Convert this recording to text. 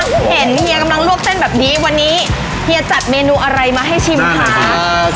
เห็นเฮียกำลังลวกเส้นแบบนี้วันนี้เฮียจัดเมนูอะไรมาให้ชิมคะ